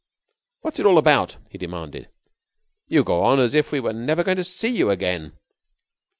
"What's it all about?" he demanded. "You go on as if we were never going to see you again."